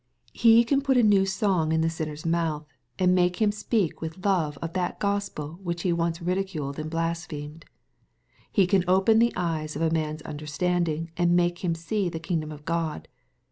He can put a new songio a sinner's mouth, and make him speak with love of that Gospel which he once ridiculed and blasphemed. He can open the eyes of a man's under standing and make him see the kingdom of God.